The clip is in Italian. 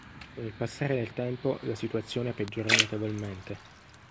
Con il passare del tempo, la situazione peggiorò notevolmente.